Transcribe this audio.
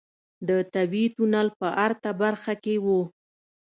د طبيعي تونل په ارته برخه کې و.